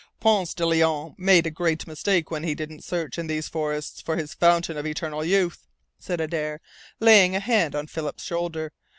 "Ponce de Leon made a great mistake when he didn't search in these forests for his fountain of eternal youth," said Adare, laying a hand on Philip's shoulder.